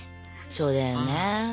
そうだよね。